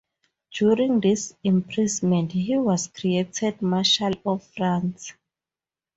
During this imprisonment he was created marshal of France.